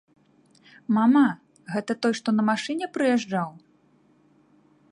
Мама, гэта той, што на машыне прыязджаў?